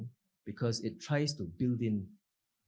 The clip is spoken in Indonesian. karena mereka mencoba untuk membangun